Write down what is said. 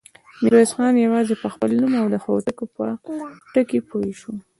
ميرويس خان يواځې په خپل نوم او د هوتکو په ټکي پوه شو.